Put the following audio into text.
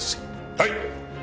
はい！